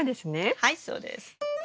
はいそうです。